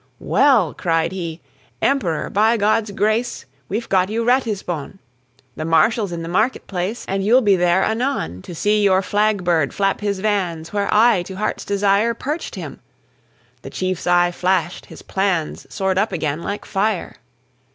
"Well," cried he, "Emperor, by God's grace We've got you Ratisbon! The Marshal's in the market place, And you'll be there anon To see your flag bird flap his vans Where I, to heart's desire, Perched him!" The chief's eye flashed; his plans Soared up again like fire.